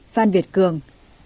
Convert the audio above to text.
ba mươi phan việt cường